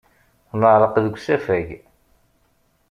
Neɛreq deg usafag.